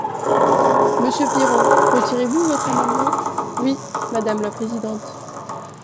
Monsieur Piron, retirez-vous votre amendement ? Oui, madame la présidente.